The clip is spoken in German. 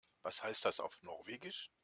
Was heißt das auf Norwegisch?